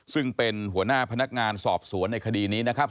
ซึ่งเป็นหัวหน้าพนักงานสอบสวนในคดีนี้นะครับ